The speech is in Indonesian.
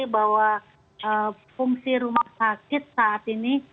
bahwa fungsi rumah sakit saat ini